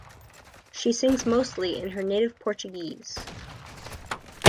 She sings mostly in her native Portuguese.